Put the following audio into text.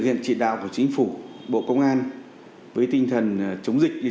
xin chào quý vị và hẹn gặp lại chiến tranh sau